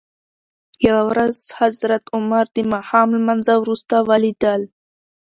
یوه ورځ حضرت عمر دماښام لمانځه وروسته ولید ل.